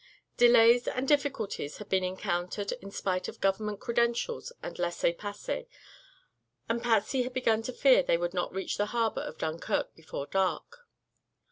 Delays and difficulties had been encountered in spite of government credentials and laissez passer and Patsy had begun to fear they would not reach the harbor of Dunkirk before dark.